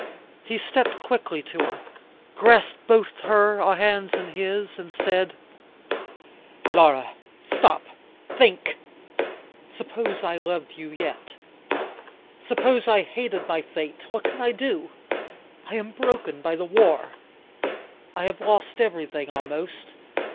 He stepped quickly to her, grasped both her hands in his, and said, "Laura, stop! think! Suppose I loved you yet! Suppose I hated my fate! What can I do? I am broken by the war. I have lost everything almost.